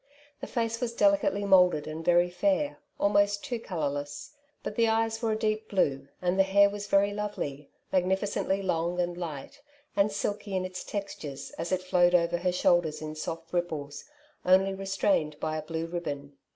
The face was delicately moulded and very fair, almost too colourless ; but the eyes were a deep blue, and the hair was very lovely, magnificently long and light, and silky in its texture, as it flowed over her shoulders in soft ripples, only restrained by a blue ribbon.